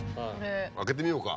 開けてみようか。